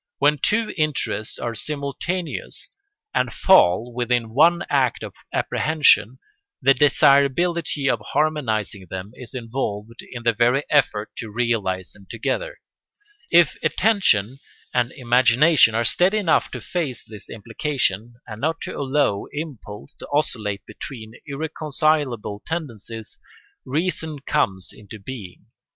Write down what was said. When two interests are simultaneous and fall within one act of apprehension the desirability of harmonising them is involved in the very effort to realise them together. If attention and imagination are steady enough to face this implication and not to allow impulse to oscillate between irreconcilable tendencies, reason comes into being.